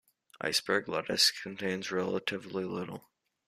Iceberg lettuce contains relatively little.